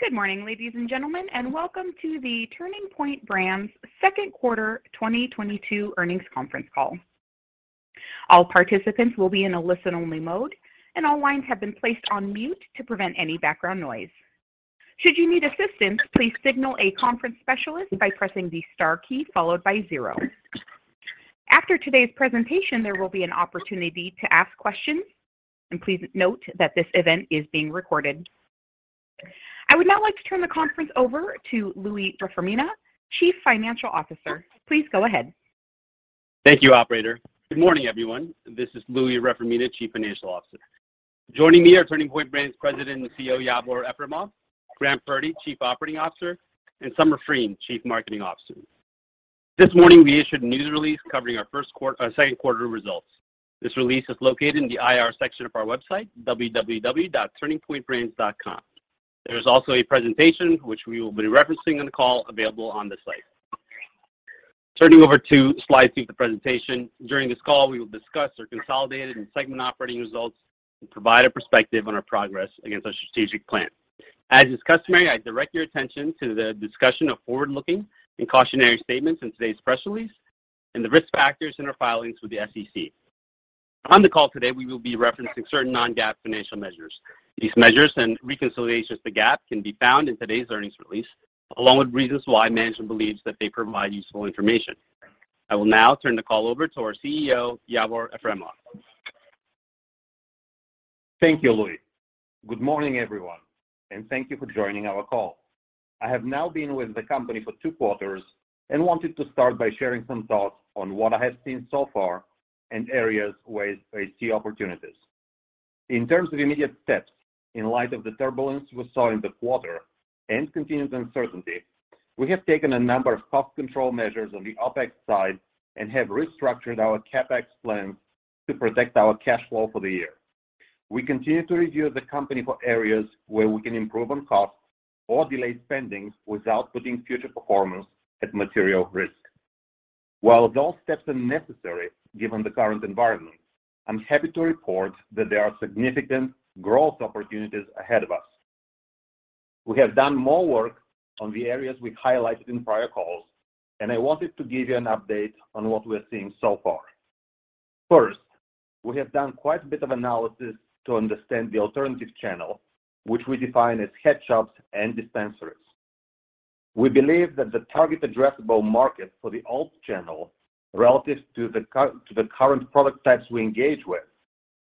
Good morning, ladies and gentlemen, and welcome to the Turning Point Brands second quarter 2022 earnings conference call. All participants will be in a listen-only mode, and all lines have been placed on mute to prevent any background noise. Should you need assistance, please signal a conference specialist by pressing the star key followed by zero. After today's presentation, there will be an opportunity to ask questions, and please note that this event is being recorded. I would now like to turn the conference over to Louie Reformina, Chief Financial Officer. Please go ahead. Thank you, operator. Good morning, everyone. This is Louie Reformina, Chief Financial Officer. Joining me are Turning Point Brands President and CEO, Yavor Efremov, Graham Purdy, Chief Operating Officer, and Summer Frein, Chief Marketing Officer. This morning, we issued a news release covering our second quarter results. This release is located in the IR section of our website, www.turningpointbrands.com. There's also a presentation which we will be referencing on the call available on the site. Turning over to slide two of the presentation. During this call, we will discuss our consolidated and segment operating results and provide a perspective on our progress against our strategic plan. As is customary, I direct your attention to the discussion of forward-looking and cautionary statements in today's press release and the risk factors in our filings with the SEC. On the call today, we will be referencing certain non-GAAP financial measures. These measures and reconciliations to GAAP can be found in today's earnings release, along with reasons why management believes that they provide useful information. I will now turn the call over to our CEO, Yavor Efremov. Thank you, Louie. Good morning, everyone, and thank you for joining our call. I have now been with the company for two quarters and wanted to start by sharing some thoughts on what I have seen so far and areas where I see opportunities. In terms of immediate steps, in light of the turbulence we saw in the quarter and continued uncertainty, we have taken a number of cost control measures on the OpEx side and have restructured our CapEx plans to protect our cash flow for the year. We continue to review the company for areas where we can improve on costs or delay spending without putting future performance at material risk. While those steps are necessary given the current environment, I'm happy to report that there are significant growth opportunities ahead of us. We have done more work on the areas we highlighted in prior calls, and I wanted to give you an update on what we're seeing so far. First, we have done quite a bit of analysis to understand the alternative channel, which we define as head shops and dispensaries. We believe that the target addressable market for the alt channel relative to the current product types we engage with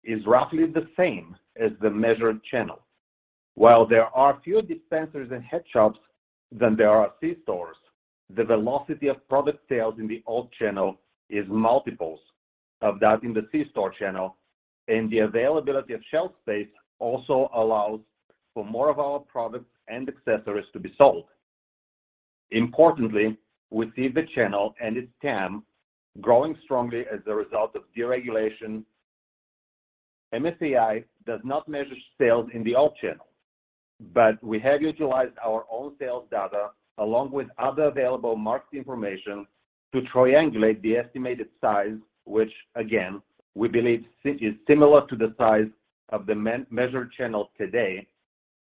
is roughly the same as the measured channel. While there are fewer dispensaries and head shops than there are C-stores, the velocity of product sales in the alt channel is multiples of that in the C-store channel, and the availability of shelf space also allows for more of our products and accessories to be sold. Importantly, we see the channel and its TAM growing strongly as a result of deregulation. MSAi does not measure sales in the alt channel, but we have utilized our own sales data along with other available market information to triangulate the estimated size, which again, we believe is similar to the size of the measured channel today,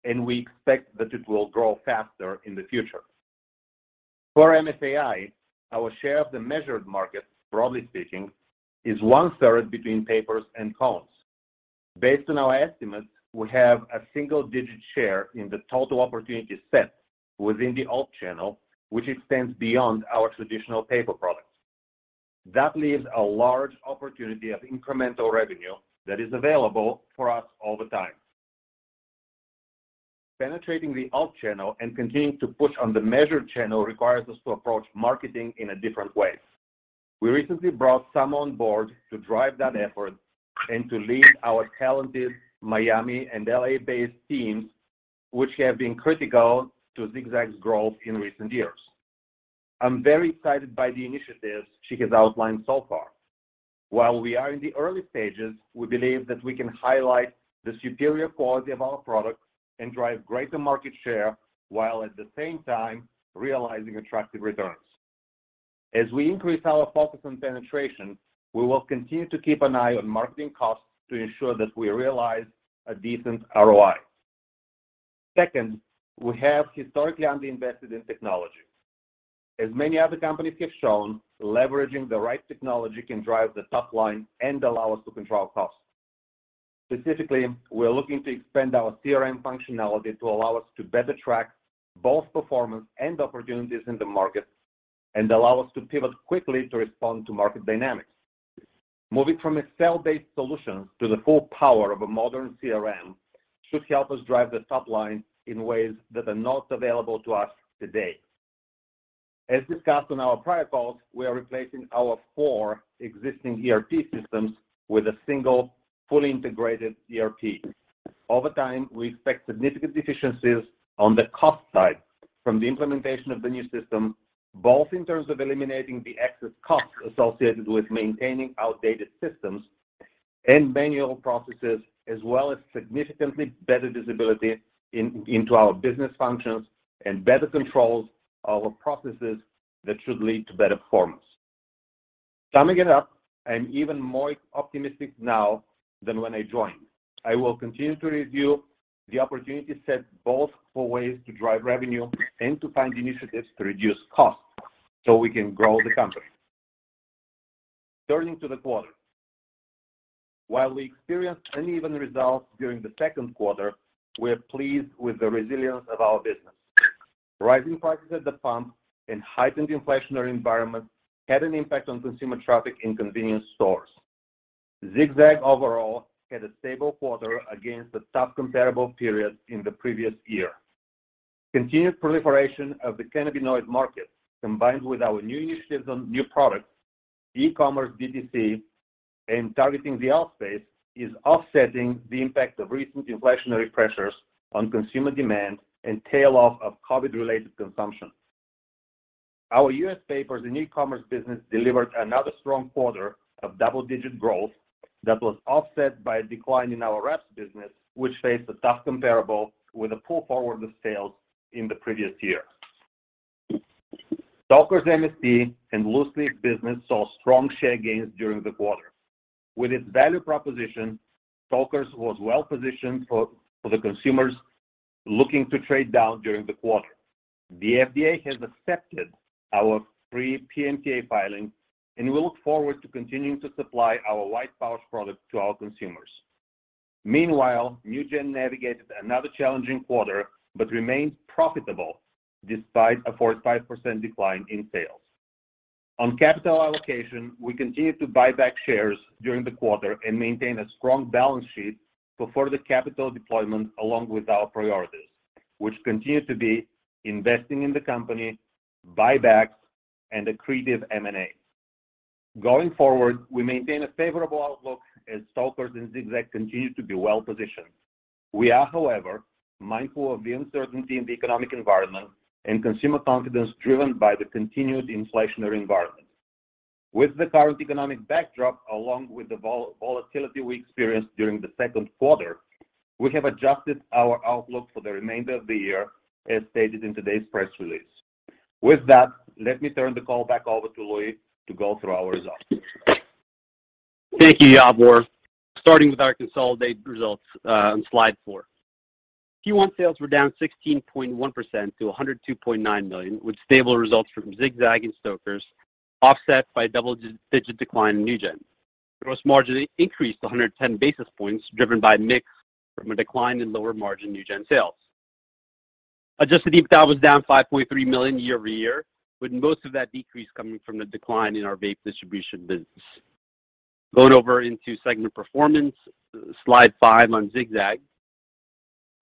and we expect that it will grow faster in the future. For MSAi, our share of the measured market, broadly speaking, is 1/3 between papers and cones. Based on our estimates, we have a single-digit share in the total opportunity set within the alt channel, which extends beyond our traditional paper products. That leaves a large opportunity of incremental revenue that is available for us over time. Penetrating the alt channel and continuing to push on the measured channel requires us to approach marketing in a different way. We recently brought Summer on board to drive that effort and to lead our talented Miami and L.A.-based teams, which have been critical to Zig-Zag's growth in recent years. I'm very excited by the initiatives she has outlined so far. While we are in the early stages, we believe that we can highlight the superior quality of our products and drive greater market share while at the same time realizing attractive returns. As we increase our focus on penetration, we will continue to keep an eye on marketing costs to ensure that we realize a decent ROI. Second, we have historically underinvested in technology. As many other companies have shown, leveraging the right technology can drive the top line and allow us to control costs. Specifically, we're looking to expand our CRM functionality to allow us to better track both performance and opportunities in the market and allow us to pivot quickly to respond to market dynamics. Moving from a cell-based solution to the full power of a modern CRM should help us drive the top line in ways that are not available to us today. As discussed on our prior calls, we are replacing our four existing ERP systems with a single fully integrated ERP. Over time, we expect significant efficiencies on the cost side from the implementation of the new system, both in terms of eliminating the excess costs associated with maintaining outdated systems and manual processes, as well as significantly better visibility into our business functions and better controls over our processes that should lead to better performance. Summing it up, I'm even more optimistic now than when I joined. I will continue to review the opportunity set both for ways to drive revenue and to find initiatives to reduce costs so we can grow the company. Turning to the quarter. While we experienced uneven results during the second quarter, we're pleased with the resilience of our business. Rising prices at the pump and heightened inflationary environment had an impact on consumer traffic in convenience stores. Zig-Zag overall had a stable quarter against the tough comparable period in the previous year. Continued proliferation of the cannabinoid market, combined with our new initiatives on new products, e-commerce, D2C, and targeting the out space, is offsetting the impact of recent inflationary pressures on consumer demand and tail-off of COVID-related consumption. Our U.S. papers and e-commerce business delivered another strong quarter of double-digit growth that was offset by a decline in our wraps business, which faced a tough comparable with a pull forward of sales in the previous year. Stoker's MST and loose-leaf business saw strong share gains during the quarter. With its value proposition, Stoker's was well-positioned for the consumers looking to trade down during the quarter. The FDA has accepted our pre-PMTA filing, and we look forward to continuing to supply our White Pouch product to our consumers. Meanwhile, NewGen navigated another challenging quarter, but remained profitable despite a 45% decline in sales. On capital allocation, we continued to buy back shares during the quarter and maintain a strong balance sheet for further capital deployment along with our priorities, which continue to be investing in the company, buybacks, and accretive M&A. Going forward, we maintain a favorable outlook as Stoker's and Zig-Zag continue to be well-positioned. We are, however, mindful of the uncertainty in the economic environment and consumer confidence driven by the continued inflationary environment. With the current economic backdrop, along with the volatility we experienced during the second quarter, we have adjusted our outlook for the remainder of the year, as stated in today's press release. With that, let me turn the call back over to Louie to go through our results. Thank you, Yavor. Starting with our consolidated results on slide four. Q1 sales were down 16.1% to $102.9 million, with stable results from Zig-Zag and Stoker's, offset by a double-digit decline in NewGen. Gross margin increased 110 basis points, driven by mix from a decline in lower-margin NewGen sales. Adjusted EBITDA was down $5.3 million year-over-year, with most of that decrease coming from the decline in our vape distribution business. Going over into segment performance, slide five on Zig-Zag.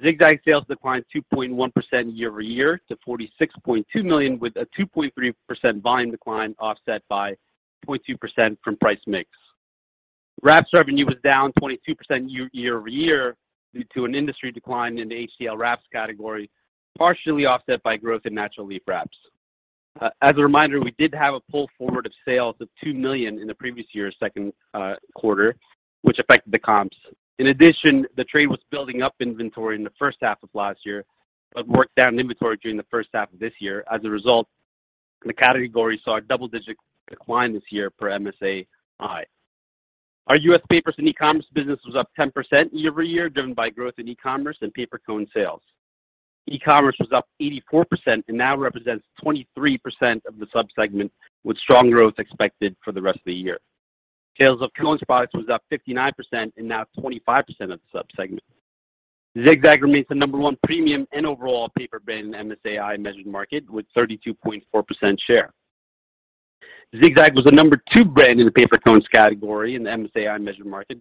Zig-Zag sales declined 2.1% year-over-year to $46.2 million, with a 2.3% volume decline offset by 0.2% from price mix. Wraps revenue was down 22% year-over-year due to an industry decline in the HTL wraps category, partially offset by growth in natural leaf wraps. As a reminder, we did have a pull forward of sales of $2 million in the previous year's second quarter, which affected the comps. In addition, the trade was building up inventory in the first half of last year, but worked down inventory during the first half of this year. As a result, the category saw a double-digit decline this year per MSAi. Our U.S. papers and e-commerce business was up 10% year-over-year, driven by growth in e-commerce and paper cone sales. E-commerce was up 84% and now represents 23% of the sub-segment, with strong growth expected for the rest of the year. Sales of cones products was up 59% and now 25% of the sub-segment. Zig-Zag remains the number one premium and overall paper brand in the MSAI measured market with 32.4% share. Zig-Zag was the number two brand in the paper cones category in the MSAI measured market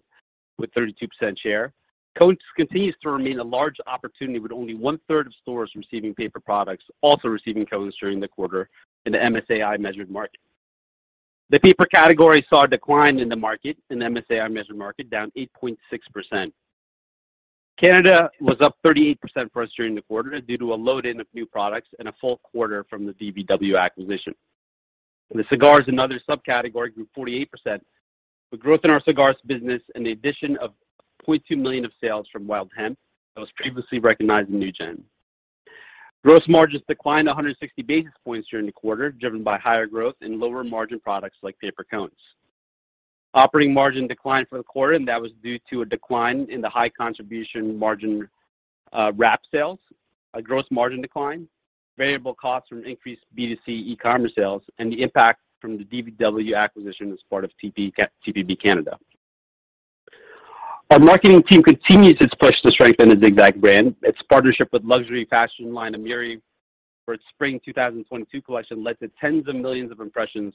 with 32% share. Cones continues to remain a large opportunity, with only 1/3 of stores receiving paper products also receiving cones during the quarter in the MSAI measured market. The paper category saw a decline in the market, in the MSAI measured market, down 8.6%. Canada was up 38% for us during the quarter due to a load in of new products and a full quarter from the DBW acquisition. The cigars and other subcategory grew 48%, with growth in our cigars business and the addition of $0.2 million of sales from Wild Hemp that was previously recognized in NewGen. Gross margins declined 160 basis points during the quarter, driven by higher growth in lower-margin products like paper cones. Operating margin declined for the quarter, and that was due to a decline in the high contribution margin, wrap sales, a gross margin decline, variable costs from increased B2C e-commerce sales, and the impact from the DBW acquisition as part of Turning Point Brands Canada. Our marketing team continues its push to strengthen the Zig-Zag brand. Its partnership with luxury fashion line Amiri for its spring 2022 collection led to tens of millions of impressions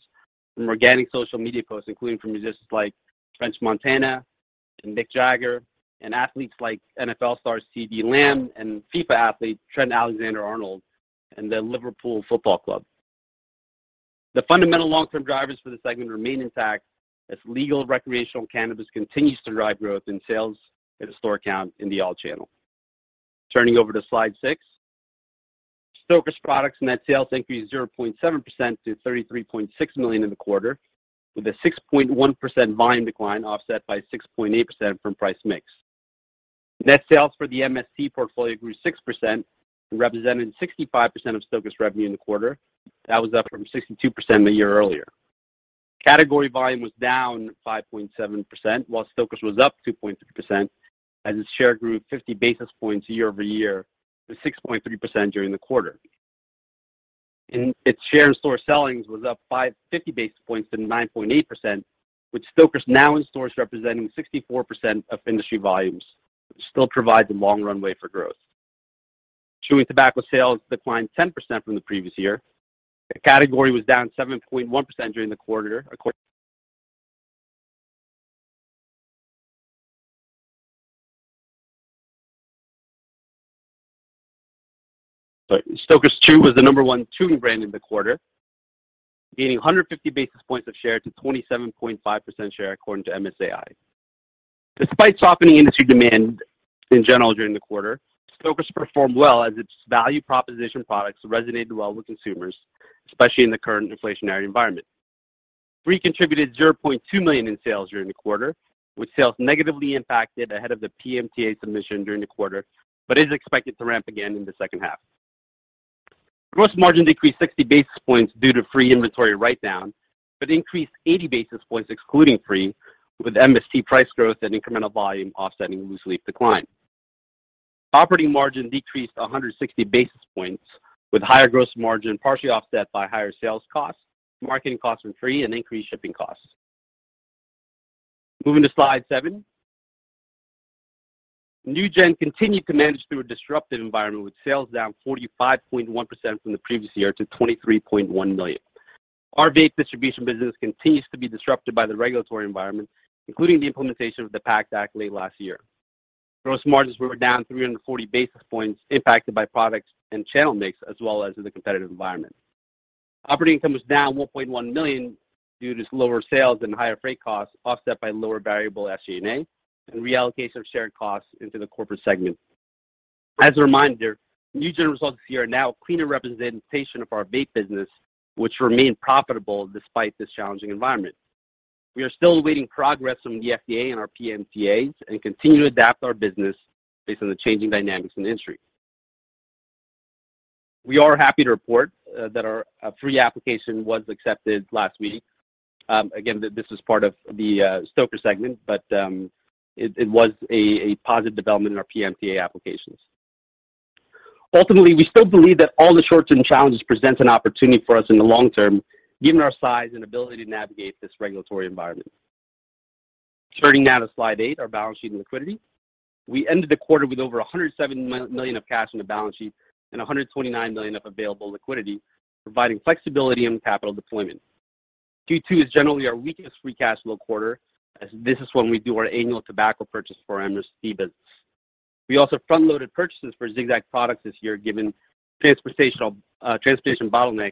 from organic social media posts, including from musicians like French Montana and Mick Jagger, and athletes like NFL star CeeDee Lamb and FIFA athlete Trent Alexander-Arnold and the Liverpool Football Club. The fundamental long-term drivers for the segment remain intact as legal recreational cannabis continues to drive growth in sales and store count in the all-channel. Turning to slide six. Stoker's products net sales increased 0.7% to $33.6 million in the quarter, with a 6.1% volume decline offset by 6.8% from price mix. Net sales for the MST portfolio grew 6% and represented 65% of Stoker's revenue in the quarter. That was up from 62% a year earlier. Category volume was down 5.7%, while Stoker's was up 2.3% as its share grew 50 basis points year-over-year to 6.3% during the quarter. Its share in store sellings was up 55 basis points to 9.8%, with Stoker's now in stores representing 64% of industry volumes, which still provides a long runway for growth. Chewing tobacco sales declined 10% from the previous year. The category was down 7.1% during the quarter. Stoker's Chew was the number one chewing brand in the quarter, gaining 150 basis points of share to 27.5% share according to MSAi. Despite softening industry demand in general during the quarter, Stoker's performed well as its value proposition products resonated well with consumers, especially in the current inflationary environment. FRE contributed $0.2 million in sales during the quarter, with sales negatively impacted ahead of the PMTA submission during the quarter, but is expected to ramp again in the second half. Gross margin decreased 60 basis points due to FRE inventory write-down, but increased 80 basis points excluding FRE, with MST price growth and incremental volume offsetting loose leaf decline. Operating margin decreased 160 basis points, with higher gross margin partially offset by higher sales costs, marketing costs from FRE, and increased shipping costs. Moving to slide seven. NewGen continued to manage through a disruptive environment with sales down 45.1% from the previous year to $23.1 million. Our vape distribution business continues to be disrupted by the regulatory environment, including the implementation of the PACT Act late last year. Gross margins were down 340 basis points impacted by products and channel mix, as well as the competitive environment. Operating income was down $1.1 million due to lower sales and higher freight costs, offset by lower variable SG&A and reallocation of shared costs into the corporate segment. As a reminder, NewGen results this year are now a cleaner representation of our vape business, which remained profitable despite this challenging environment. We are still awaiting progress from the FDA and our PMTAs and continue to adapt our business based on the changing dynamics in the industry. We are happy to report that our FRE application was accepted last week. Again, this is part of the Stoker's segment, but it was a positive development in our PMTA applications. Ultimately, we still believe that all the shorts and challenges present an opportunity for us in the long term, given our size and ability to navigate this regulatory environment. Turning now to slide eight, our balance sheet and liquidity. We ended the quarter with over $107 million of cash on the balance sheet and $129 million of available liquidity, providing flexibility in capital deployment. Q2 is generally our weakest free cash flow quarter, as this is when we do our annual tobacco purchase for our MST business. We also front-loaded purchases for Zig-Zag products this year, given transportation bottlenecks,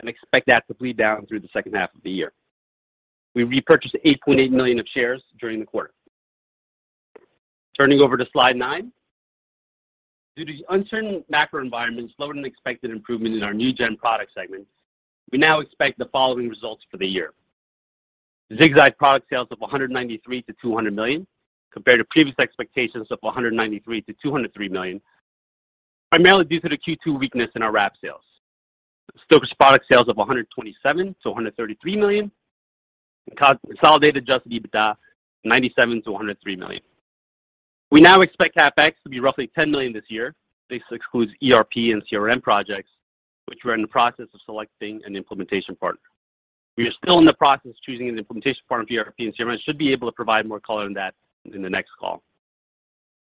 and expect that to bleed down through the second half of the year. We repurchased 8.8 million of shares during the quarter. Turning over to slide nine. Due to the uncertain macro environment and slower-than-expected improvement in our NewGen product segments, we now expect the following results for the year. Zig-Zag product sales of $193 million-$200 million, compared to previous expectations of $193 million-$203 million, primarily due to the Q2 weakness in our wrap sales. Stoker's product sales of $127 million-$133 million. Consolidated Adjusted EBITDA, $97 million-$103 million. We now expect CapEx to be roughly $10 million this year. This excludes ERP and CRM projects, which we're in the process of selecting an implementation partner. We are still in the process of choosing an implementation partner for ERP and CRM, and should be able to provide more color on that in the next call.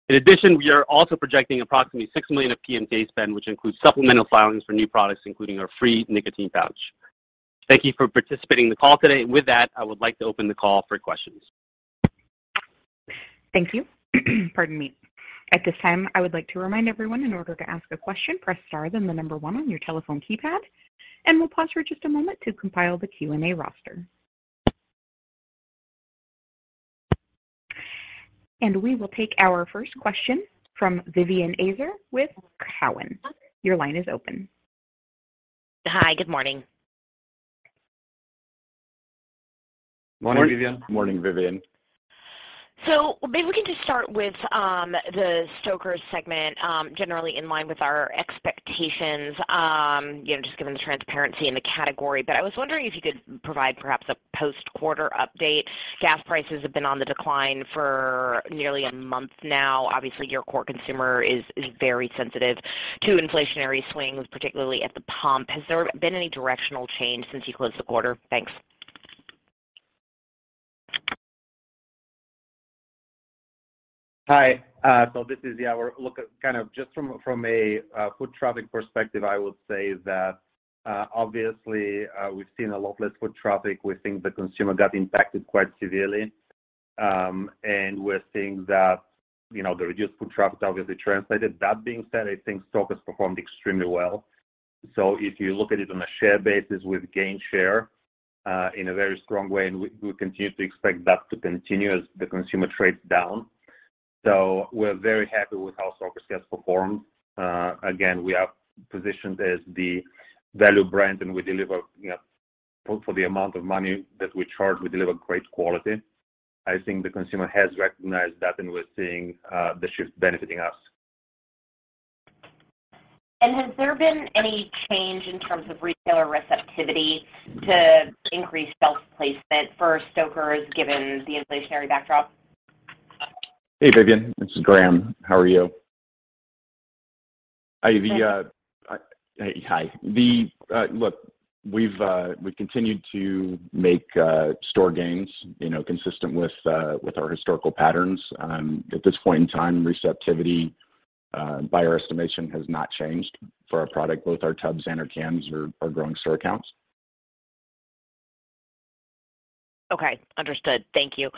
In addition, we are also projecting approximately $6 million of PMTA spend, which includes supplemental filings for new products, including our FRE nicotine pouch. Thank you for participating in the call today. With that, I would like to open the call for questions. Thank you. Pardon me. At this time, I would like to remind everyone in order to ask a question, press star then the number one on your telephone keypad, and we'll pause for just a moment to compile the Q&A roster. We will take our first question from Vivien Azer with TD Cowen. Your line is open. Hi. Good morning. Morning, Vivien. Morning, Vivien. Maybe we can just start with the Stoker's segment, generally in line with our expectations, you know, just given the transparency in the category. I was wondering if you could provide perhaps a post-quarter update. Gas prices have been on the decline for nearly a month now. Obviously, your core consumer is very sensitive to inflationary swings, particularly at the pump. Has there been any directional change since you closed the quarter? Thanks. Hi. So this is, yeah, we're looking at kind of just from a foot traffic perspective, I would say that obviously we've seen a lot less foot traffic. We think the consumer got impacted quite severely. We're seeing that, you know, the reduced foot traffic obviously translated. That being said, I think Stoker's performed extremely well. If you look at it on a share basis, we've gained share in a very strong way, and we continue to expect that to continue as the consumer trades down. We're very happy with how Stoker's has performed. Again, we are positioned as the value brand, and we deliver, you know. For the amount of money that we charge, we deliver great quality. I think the consumer has recognized that, and we're seeing the shift benefiting us. Has there been any change in terms of retailer receptivity to increase shelf placement for Stoker's given the inflationary backdrop? Hey, Vivien, this is Graham Purdy. How are you? Look, we've continued to make store gains, you know, consistent with our historical patterns. At this point in time, receptivity by our estimation has not changed for our product. Both our tubs and our cans are growing store counts. Okay. Understood. Thank you.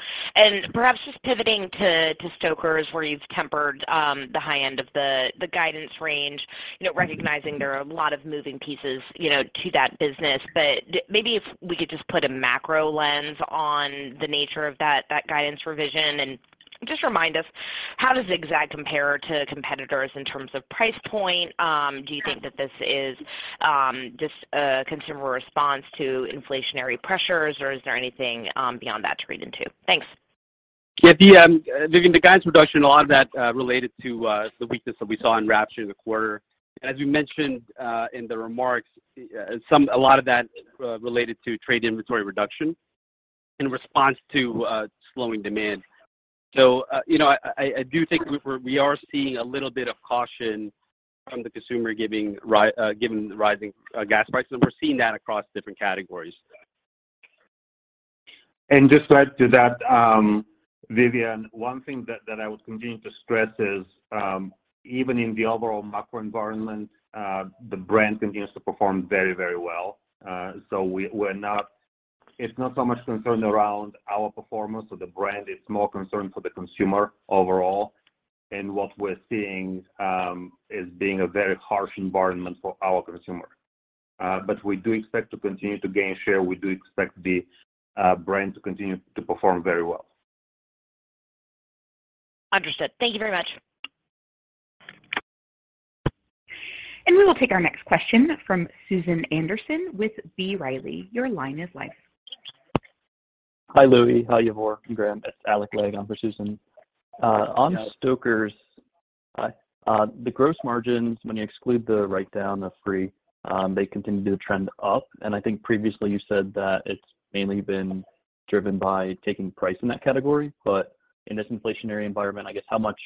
Perhaps just pivoting to Stoker's, where you've tempered the high end of the guidance range, you know, recognizing there are a lot of moving pieces, you know, to that business. Maybe if we could just put a macro lens on the nature of that guidance revision and just remind us how does Zig-Zag compare to competitors in terms of price point? Do you think that this is just a consumer response to inflationary pressures, or is there anything beyond that to read into? Thanks. Yeah. The Vivien, the guidance reduction, a lot of that related to the weakness that we saw in wraps during the quarter. As we mentioned in the remarks, a lot of that related to trade inventory reduction in response to slowing demand. You know, I do think we are seeing a little bit of caution from the consumer given the rising gas prices, and we're seeing that across different categories. Just to add to that, Vivien, one thing that I would continue to stress is, even in the overall macro environment, the brand continues to perform very, very well. We're not so much concerned around our performance or the brand, it's more concern for the consumer overall. What we're seeing is being a very harsh environment for our consumer. We do expect to continue to gain share. We do expect the brand to continue to perform very well. Understood. Thank you very much. We will take our next question from Susan Anderson with B. Riley. Your line is live. Hi, Louie. Hi, Yavor and Graham. It's Alec Legg on for Susan. On Stoker's- Yeah. Hi. The gross margins when you exclude the write-down of Spree, they continue to trend up. I think previously you said that it's mainly been driven by taking price in that category. In this inflationary environment, I guess how much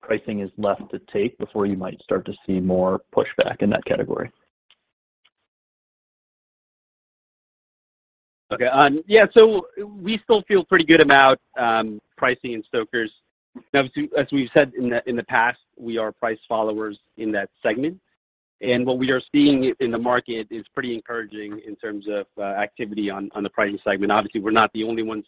pricing is left to take before you might start to see more pushback in that category? Okay. Yeah. We still feel pretty good about pricing in Stoker's. Now as we've said in the past, we are price followers in that segment. What we are seeing in the market is pretty encouraging in terms of activity on the pricing segment. Obviously, we're not the only ones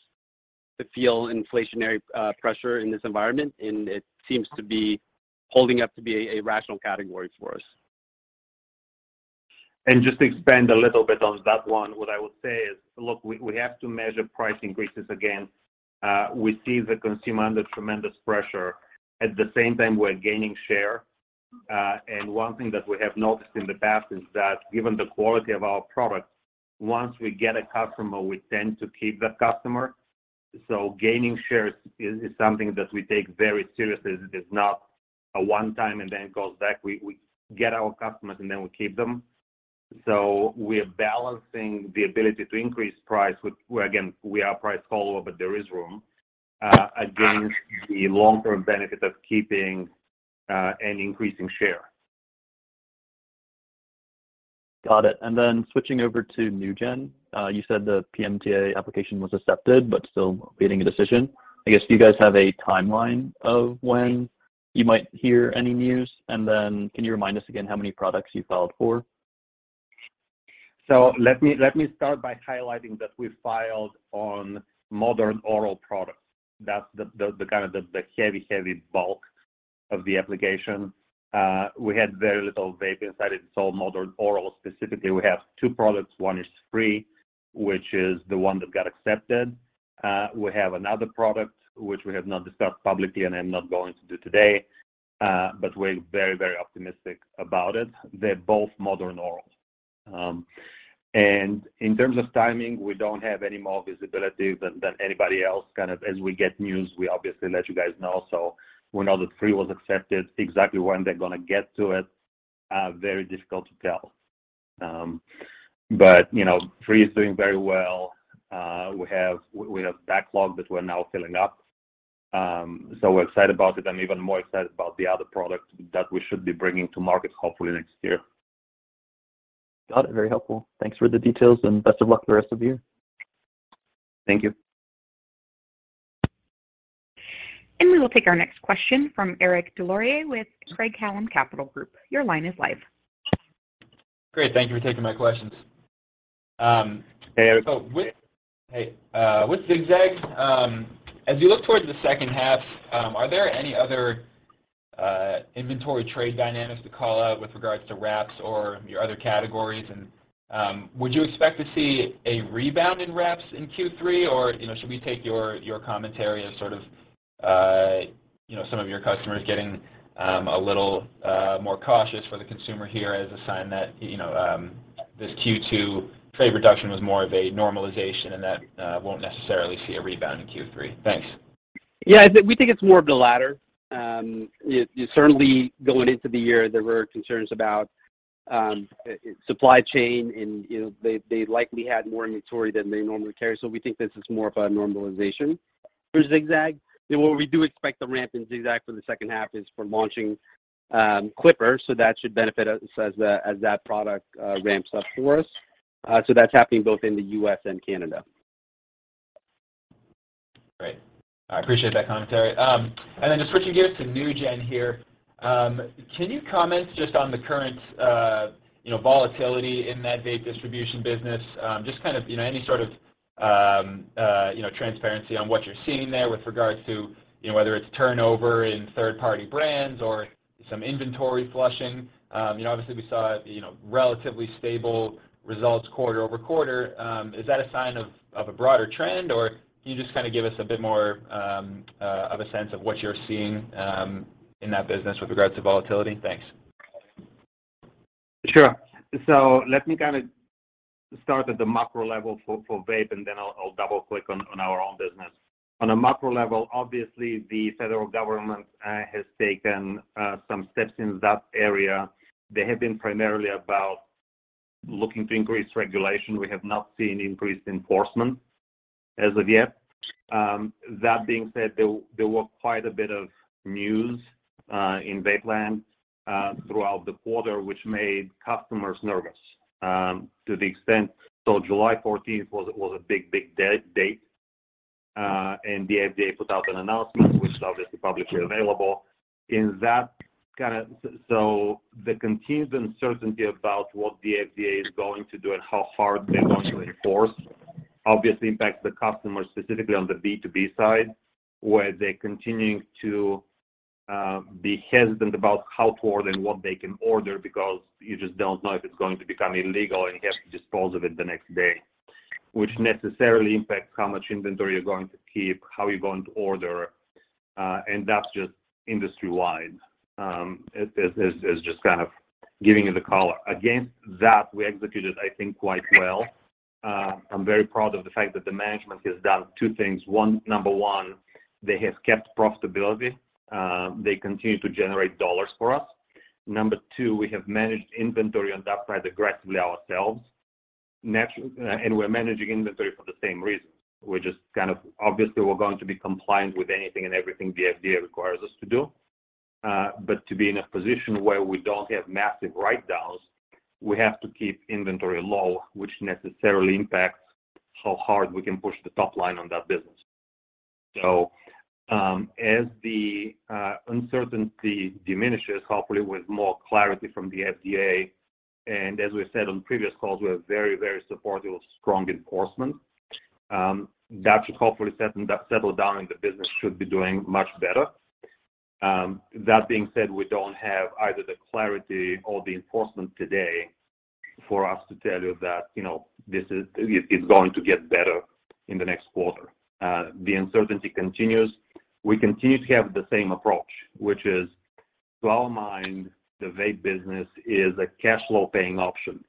to feel inflationary pressure in this environment, and it seems to be holding up to be a rational category for us. Just to expand a little bit on that one, what I would say is, look, we have to measure price increases again. We see the consumer under tremendous pressure. At the same time, we're gaining share. One thing that we have noticed in the past is that given the quality of our product, once we get a customer, we tend to keep that customer. Gaining shares is something that we take very seriously. It is not a one time and then goes back. We get our customers and then we keep them. We're balancing the ability to increase price with, again, we are a price follower, but there is room against the long-term benefit of keeping and increasing share. Got it. Switching over to NewGen. You said the PMTA application was accepted but still awaiting a decision. I guess, do you guys have a timeline of when you might hear any news? Can you remind us again how many products you filed for? Let me start by highlighting that we filed on Modern Oral products. That's the kind of heavy bulk of the application. We had very little vape inside it. Modern Oral specifically, we have two products. One is Spree, which is the one that got accepted. We have another product which we have not discussed publicly, and I'm not going to do today, but we're very optimistic about it. They're both Modern Oral. In terms of timing, we don't have any more visibility than anybody else. As we get news, we obviously let you guys know. We know that Spree was accepted. Exactly when they're gonna get to it, very difficult to tell. You know, Spree is doing very well. We have backlog that we're now filling up. We're excited about it. I'm even more excited about the other product that we should be bringing to market hopefully next year. Got it. Very helpful. Thanks for the details and best of luck the rest of the year. Thank you. We will take our next question from Eric Des Lauriers with Craig-Hallum Capital Group. Your line is live. Great. Thank you for taking my questions. Hey, Eric. Hey. With Zig-Zag, as you look towards the second half, are there any other inventory trade dynamics to call out with regards to wraps or your other categories? Would you expect to see a rebound in wraps in Q3 or should we take your commentary as sort of some of your customers getting a little more cautious for the consumer here as a sign that this Q2 trade reduction was more of a normalization and that won't necessarily see a rebound in Q3. Thanks. Yeah, we think it's more of the latter. Certainly going into the year, there were concerns about supply chain and, you know, they likely had more inventory than they normally carry. We think this is more of a normalization for Zig-Zag. What we do expect the ramp in Zig-Zag for the second half is for launching Clipper, so that should benefit us as that product ramps up for us. That's happening both in the U.S. and Canada. Great. I appreciate that commentary. Just switching gears to NewGen here. Can you comment just on the current, you know, volatility in that vape distribution business? Just kind of, you know, any sort of, you know, transparency on what you're seeing there with regards to, you know, whether it's turnover in third-party brands or some inventory flushing. You know, obviously we saw, you know, relatively stable results quarter-over-quarter. Is that a sign of a broader trend, or can you just kind of give us a bit more, of a sense of what you're seeing, in that business with regards to volatility? Thanks. Sure. Let me kind of start at the macro level for vape, and then I'll double-click on our own business. On a macro level, obviously the federal government has taken some steps in that area. They have been primarily about looking to increase regulation. We have not seen increased enforcement as of yet. That being said, there were quite a bit of news in vape land throughout the quarter, which made customers nervous to the extent. July fourteenth was a big date, and the FDA put out an announcement which is obviously publicly available. The continued uncertainty about what the FDA is going to do and how hard they're going to enforce obviously impacts the customers, specifically on the B2B side, where they're continuing to be hesitant about how to order and what they can order because you just don't know if it's going to become illegal, and you have to dispose of it the next day, which necessarily impacts how much inventory you're going to keep, how you're going to order. That's just industry-wide. It is just kind of giving you the color. Against that, we executed, I think, quite well. I'm very proud of the fact that the management has done two things. One, number one, they have kept profitability. They continue to generate dollars for us. Number two, we have managed inventory on that side aggressively ourselves. We're managing inventory for the same reasons. We're just kind of, obviously we're going to be compliant with anything and everything the FDA requires us to do. But to be in a position where we don't have massive write-downs, we have to keep inventory low, which necessarily impacts how hard we can push the top line on that business. As the uncertainty diminishes, hopefully with more clarity from the FDA, and as we've said on previous calls, we are very, very supportive of strong enforcement. That should hopefully settle down, and the business should be doing much better. That being said, we don't have either the clarity or the enforcement today for us to tell you that, you know, this is it's going to get better in the next quarter. The uncertainty continues. We continue to have the same approach, which is, to our mind, the vape business is a cash flow paying option.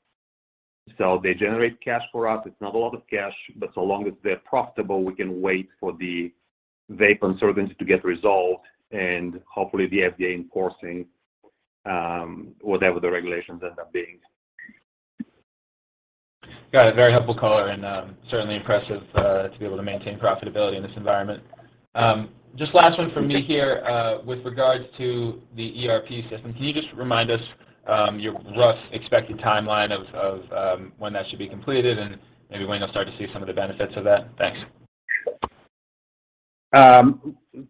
They generate cash for us. It's not a lot of cash, but so long as they're profitable, we can wait for the vape uncertainty to get resolved and hopefully the FDA enforcing whatever the regulations end up being. Got it. Very helpful color and, certainly impressive, to be able to maintain profitability in this environment. Just last one from me here, with regards to the ERP system. Can you just remind us, your rough expected timeline of, when that should be completed and maybe when you'll start to see some of the benefits of that? Thanks. Kinda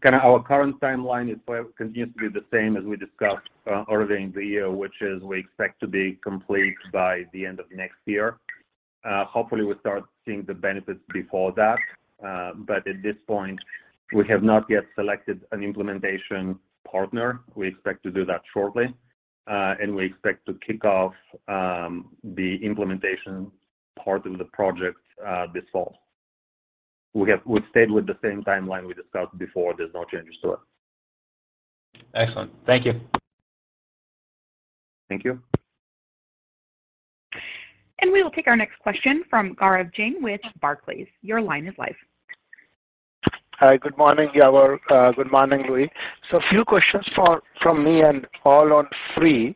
our current timeline continues to be the same as we discussed earlier in the year, which is we expect to be complete by the end of next year. Hopefully we start seeing the benefits before that. At this point we have not yet selected an implementation partner. We expect to do that shortly. We expect to kick off the implementation part of the project this fall. We've stayed with the same timeline we discussed before. There's no changes to it. Excellent. Thank you. Thank you. We will take our next question from Gaurav Jain with Barclays. Your line is live. Hi. Good morning, Yavor. Good morning, Louie. A few questions from me and all on FRE.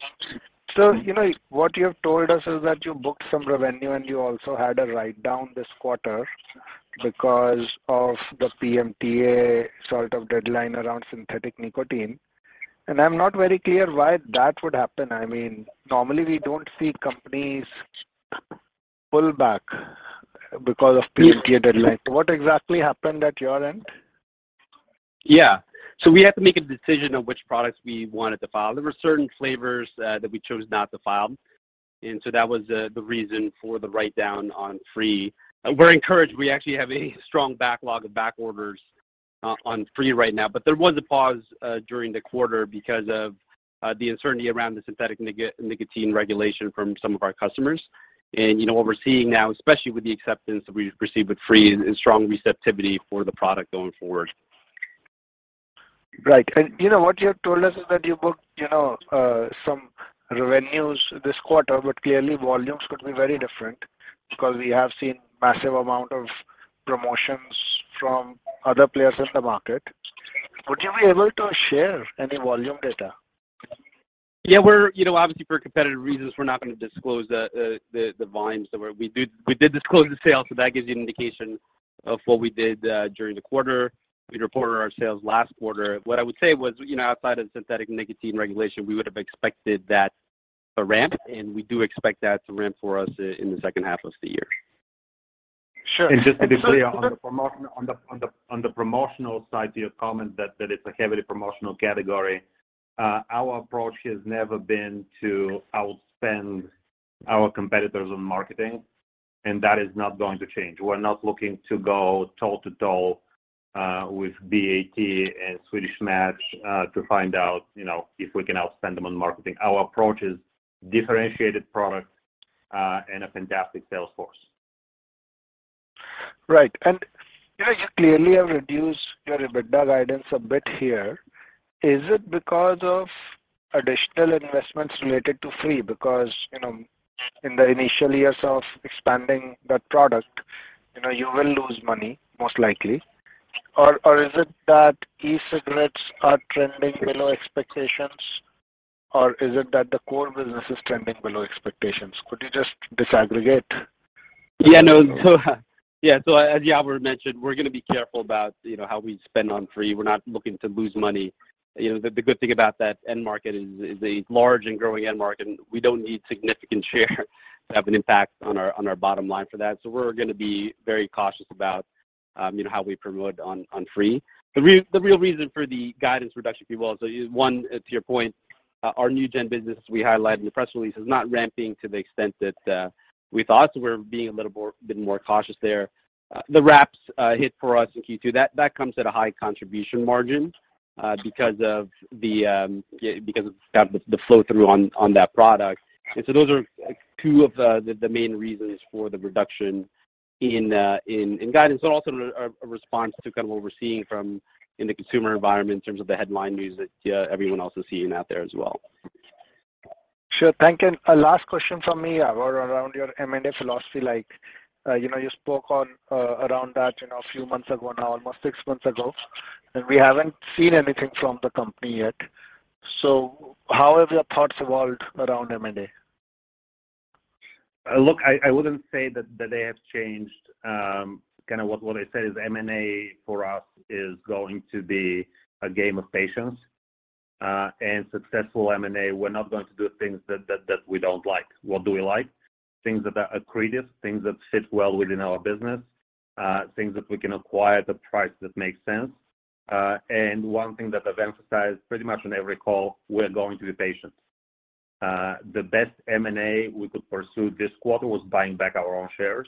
You know, what you have told us is that you booked some revenue, and you also had a write-down this quarter because of the PMTA sort of deadline around synthetic nicotine. I'm not very clear why that would happen. I mean, normally we don't see companies pull back because of PMTA deadline. What exactly happened at your end? We had to make a decision on which products we wanted to file. There were certain flavors that we chose not to file, and so that was the reason for the write-down on FRE. We're encouraged. We actually have a strong backlog of back orders on FRE right now. There was a pause during the quarter because of the uncertainty around the synthetic nicotine regulation from some of our customers. You know, what we're seeing now, especially with the acceptance that we've received with FRE and strong receptivity for the product going forward. Right. You know, what you have told us is that you booked, you know, some revenues this quarter, but clearly volumes could be very different because we have seen massive amount of promotions from other players in the market. Would you be able to share any volume data? Yeah. You know, obviously, for competitive reasons, we're not gonna disclose the volumes. We did disclose the sales, so that gives you an indication of what we did during the quarter. We reported our sales last quarter. What I would say was, you know, outside of the synthetic nicotine regulation, we would have expected that to ramp, and we do expect that to ramp for us in the second half of the year. Sure. Just to be clear, on the promotional side to your comment that it's a heavily promotional category, our approach has never been to outspend our competitors on marketing, and that is not going to change. We're not looking to go toe-to-toe with BAT and Swedish Match to find out, you know, if we can outspend them on marketing. Our approach is differentiated product and a fantastic sales force. Right. You know, you clearly have reduced your EBITDA guidance a bit here. Is it because of additional investments related to FRE? Because, you know, in the initial years of expanding that product, you know, you will lose money, most likely. Or is it that e-cigarettes are trending below expectations? Or is it that the core business is trending below expectations? Could you just disaggregate? As Yavor mentioned, we're gonna be careful about, you know, how we spend on FRE. We're not looking to lose money. You know, the good thing about that end market is it's a large and growing end market, and we don't need significant share to have an impact on our bottom line for that. We're gonna be very cautious about, you know, how we promote on FRE. The real reason for the guidance reduction, Gaurav, one, to your point, our NewGen business we highlighted in the press release is not ramping to the extent that we thought, so we're being a little bit more cautious there. The wraps hit for us in Q2. That comes at a high contribution margin because of kind of the flow through on that product. Those are two of the main reasons for the reduction in guidance, but also a response to kind of what we're seeing in the consumer environment in terms of the headline news that everyone else is seeing out there as well. Sure. Thank you. A last question from me, Yavor, around your M&A philosophy, like, you know, you spoke on around that, you know, a few months ago now, almost six months ago. We haven't seen anything from the company yet. How have your thoughts evolved around M&A? Look, I wouldn't say that they have changed. Kind of what I said is M&A for us is going to be a game of patience. Successful M&A, we're not going to do things that we don't like. What do we like? Things that are accretive, things that fit well within our business, things that we can acquire at a price that makes sense. One thing that I've emphasized pretty much on every call, we're going to be patient. The best M&A we could pursue this quarter was buying back our own shares,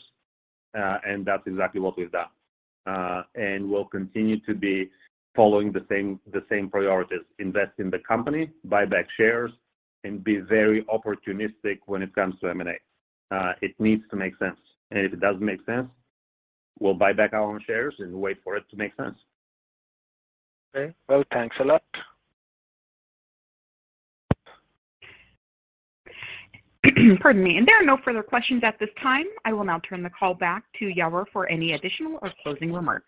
and that's exactly what we've done. We'll continue to be following the same priorities, invest in the company, buy back shares, and be very opportunistic when it comes to M&A. It needs to make sense. If it doesn't make sense, we'll buy back our own shares and wait for it to make sense. Okay. Well, thanks a lot. Pardon me. There are no further questions at this time. I will now turn the call back to Yavor for any additional or closing remarks.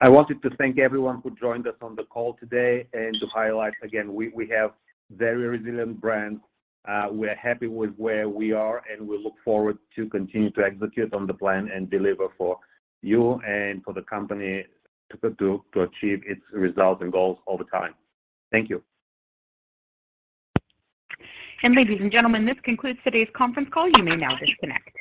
I wanted to thank everyone who joined us on the call today and to highlight again, we have very resilient brands. We're happy with where we are, and we look forward to continue to execute on the plan and deliver for you and for the company to achieve its results and goals all the time. Thank you. Ladies and gentlemen, this concludes today's conference call. You may now disconnect.